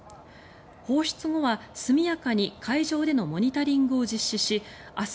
放出後は速やかに海上でのモニタリングを実施し明日